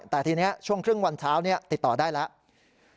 แต่ทีนี้ช่วงครึ่งวันเช้าติดต่อได้แล้ว